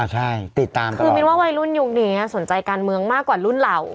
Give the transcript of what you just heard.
ใช่ติดตามคือมินว่าวัยรุ่นยุคนี้สนใจการเมืองมากกว่ารุ่นเรา